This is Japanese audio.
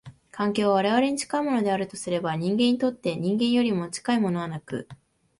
環境は我々に近いものであるとすれば、人間にとって人間よりも近いものはなく、